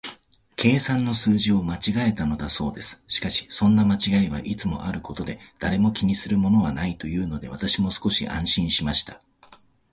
計算の数字を間違えたのだそうです。しかし、そんな間違いはいつもあることで、誰も気にするものはないというので、私も少し安心しました。